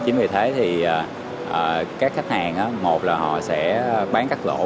chính vì thế thì các khách hàng một là họ sẽ bán cắt lỗ